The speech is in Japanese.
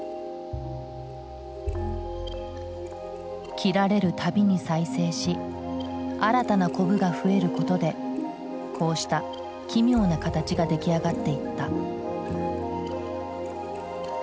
切られるたびに再生し新たなコブが増えることでこうした奇妙な形が出来上がっていった。